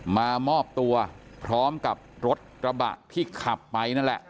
มามอบตัวพร้อมกับรถกระบะที่ขับไปนั่นแหละ